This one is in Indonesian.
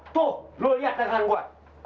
tuh lu liat tangan gua